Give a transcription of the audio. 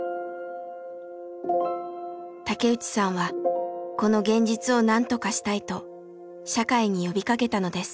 竹内さんはこの現実をなんとかしたいと社会に呼びかけたのです。